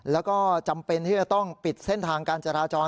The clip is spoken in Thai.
แล้วก็จำเป็นที่จะต้องปิดเส้นทางการจราจร